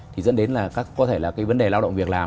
thì dẫn đến là có thể là cái vấn đề lao động việc làm